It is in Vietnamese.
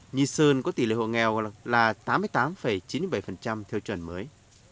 nhi sơn có tỷ lệ hộ nghèo là tám mươi tám chín mươi bảy theo chuẩn mới